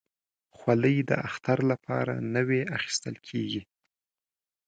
خولۍ د اختر لپاره نوي اخیستل کېږي.